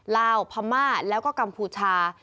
ลาวพม่าแล้วก็กัมพูชา